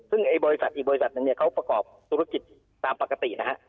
ซึ่งบริษัทอีกบริษัทนั้นเขาประกอบธุรกิจตามปกตินะฮะ